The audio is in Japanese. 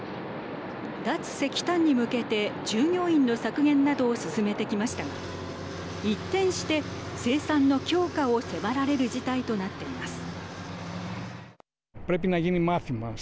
脱石炭に向けて従業員の削減などを進めてきましたが一転して生産の強化を迫られる事態となっています。